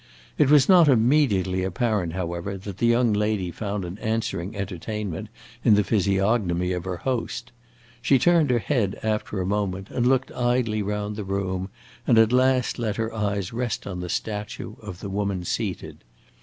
It was not immediately apparent, however, that the young lady found an answering entertainment in the physiognomy of her host; she turned her head after a moment and looked idly round the room, and at last let her eyes rest on the statue of the woman seated.